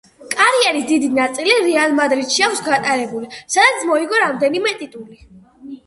კარიერის დიდი ნაწილი „რეალ მადრიდში“ აქვს გატარებული, სადაც მოიგო რამდენიმე ტიტული.